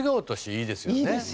いいですよね。